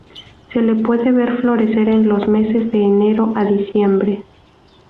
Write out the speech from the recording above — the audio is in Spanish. Se la puede ver florecer en los meses de enero a diciembre.